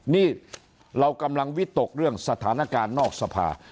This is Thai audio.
นี่เรากำลังวิตกเรื่องสถานการณ์นอกสภา